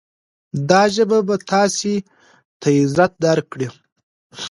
دا ژبه به تاسې ته عزت درکړي.